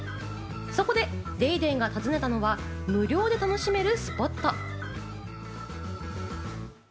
そこで『ＤａｙＤａｙ．』が訪ねたのが無料で楽しめるスポット。